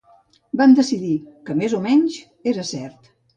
Van decidir que més o menys era cert.